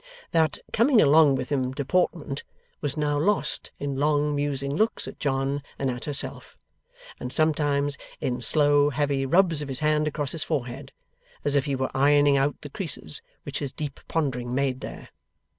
That coming along with him deportment was now lost in long musing looks at John and at herself and sometimes in slow heavy rubs of his hand across his forehead, as if he were ironing cut the creases which his deep pondering made there.